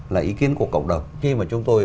là ý kiến của cộng đồng khi mà chúng tôi